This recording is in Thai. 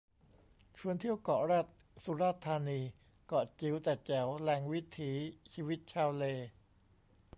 ชวนเที่ยวเกาะแรต สุราษฎร์ธานี เกาะจิ๋วแต่แจ๋ว แหล่งวิถีชีวิตชาวเล